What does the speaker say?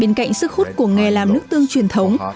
bên cạnh sức hút của nghề làm nước tương tương